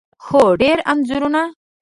هو، ډیر انځورونه